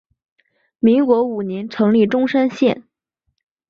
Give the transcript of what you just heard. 民国五年成立钟山县。